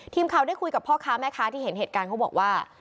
ทีมข่าวได้คุยกับพ่อค้าแม่ค้าที่เห็นเหตุการณ์เขาบอกว่า